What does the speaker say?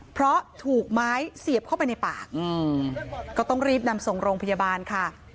เพราะถูกไม้เสียบเข้าไปในปากก็ต้องรีบนำส่งโรงพยาบาลค่ะ